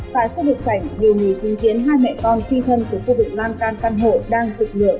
tại khu vực sảnh nhiều người chứng kiến hai mẹ con phi thân của khu vực lan can căn hộ đang dịch lửa